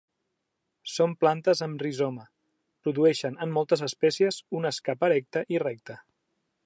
Són plantes amb rizoma, produeixen, en moltes espècies, un escap erecte i recte.